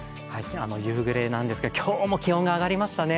夕暮れなんですが、今日も気温上がりましたね。